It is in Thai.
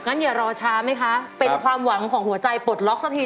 อย่ารอช้าไหมคะเป็นความหวังของหัวใจปลดล็อกสักที